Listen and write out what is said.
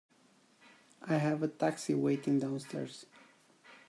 I have a taxi waiting downstairs.